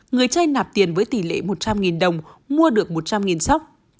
người chơi nạp tiền với tỷ lệ một trăm linh đồng mua được một trăm linh sóc